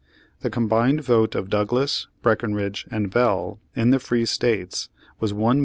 The combined vote of Douglas, Breckenridge and Bell in the free States was 1,557,411.